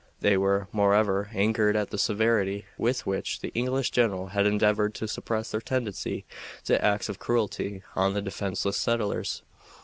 They were, moreover, angered at the severity with which the English general had endeavored to suppress their tendency to acts of cruelty on the defenseless settlers.